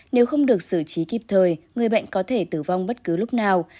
nếu không được xử trí kịp thời người bệnh có thể tử vong bất cứ lúc nào